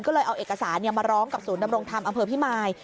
ก็เลยเอาเอกสารมาร้องกับศูนย์ดำรงธรรมอำเภอพิมาย